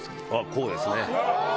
こうですね。